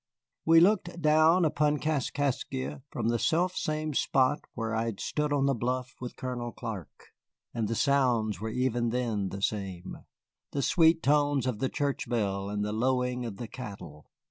We looked down upon Kaskaskia from the self same spot where I had stood on the bluff with Colonel Clark, and the sounds were even then the same, the sweet tones of the church bell and the lowing of the cattle.